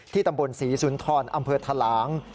ตำบลศรีสุนทรอำเภอทะลาง